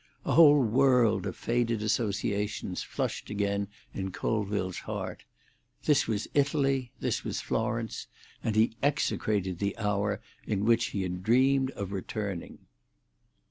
A whole world of faded associations flushed again in Colville's heart. This was Italy; this was Florence; and he execrated the hour in which he had dreamed of returning.